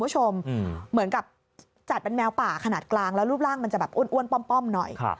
เหมือนกับจัดเป็นแมวป่าขนาดกลางแล้วรูปร่างมันจะแบบอ้วนป้อมหน่อย